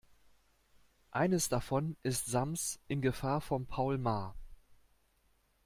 Eines davon ist Sams in Gefahr von Paul Maar.